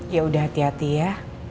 yaudah hati hati ya